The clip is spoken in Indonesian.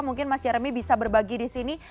mungkin mas jeremy bisa berbagi di sini